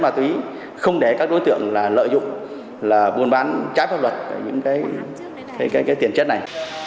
mà tuy không để các đối tượng lợi dụng buôn bán trái pháp luật những cái tiền chất này